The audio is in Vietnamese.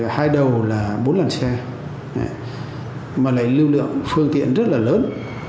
lái đầu là bốn lần xe mà lại lưu lượng phương tiện rất là lớn